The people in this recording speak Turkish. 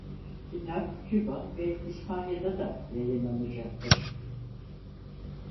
Kitap Küba ve İspanya'da da yayınlanacaktır.